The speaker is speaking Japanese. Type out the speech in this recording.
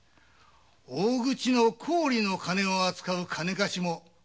大口の高利の金を扱う金貸しもあと一人。